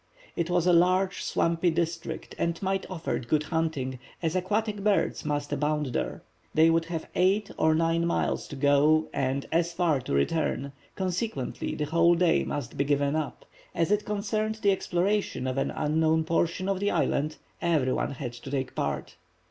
It was a large swampy district and might offer good hunting, as aquatic birds must abound there. They would have eight or nine miles to go and as far to return, consequently the whole day must be given up. As it concerned the exploration of an unknown portion of the island, every one had to take part.